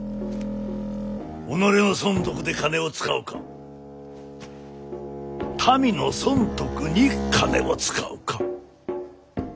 己の損得で金を使うか民の損得に金を使うか。